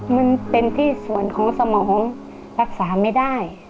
มันเป็นที่ส่วนของสมองรักษาไม่ได้